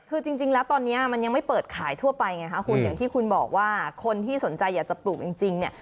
คือจริงแล้วตอนนี้มันยังไม่เปิดขายทั่วไปไงคะคุณอย่างที่คุณบอกว่าคนที่สนใจอยากจะปลูกจริงเนี่ย